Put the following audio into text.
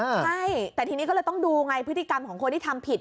ใช่แต่ทีนี้ก็เลยต้องดูไงพฤติกรรมของคนที่ทำผิด